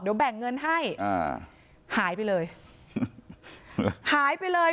เดี๋ยวแบ่งเงินให้อ่าหายไปเลยหายไปเลย